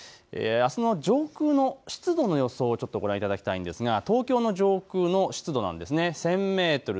あすの上空の湿度の予想をご覧いただきたいんですが、東京の上空の湿度なんです。